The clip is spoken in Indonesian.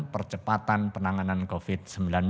percepatan penanganan covid sembilan belas